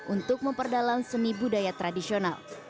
untuk memperdalam seni budaya tradisional